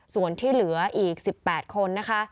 ส่วนที่เหลืออีก๑๘คนนะคะ